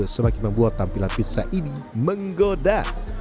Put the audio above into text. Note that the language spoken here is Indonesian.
semakin membuat tampilan pizza ini menggoda